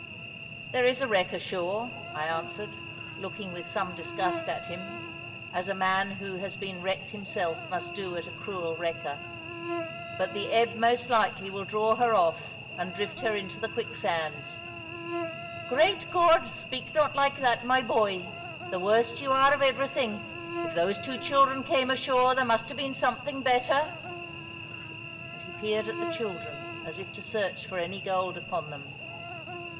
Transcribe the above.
"There is a wreck ashore," I answered, looking with some disgust at him, as a man who has been wrecked himself must do at a cruel wrecker; "but the ebb most likely will draw her off and drift her into the quicksands." "Great God! speak not like that, my boy. The worst you are of everything. If those two children came ashore, there must have been something better." And he peered at the children as if to search for any gold upon them.